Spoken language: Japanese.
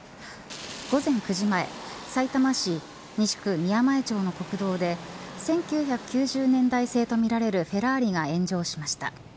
午前９時前、さいたま市西区宮前町の国道で１９９０年代製とみられるフェラーリが炎上しました。